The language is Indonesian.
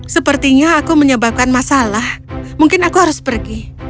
sepertinya aku menyebabkan masalah mungkin aku harus pergi